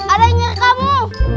ada yang nyari kamu